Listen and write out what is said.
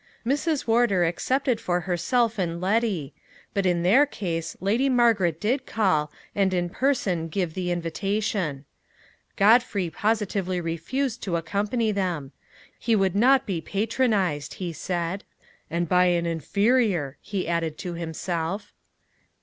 Mrs. Wardour accepted for herself and Letty; but in their case Lady Margaret did call, and in person give the invitation. Godfrey positively refused to accompany them. He would not be patronized, he said; " and by an inferior," he added to himself.